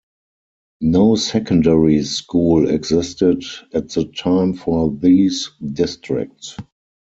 No secondary school existed at the time for these districts.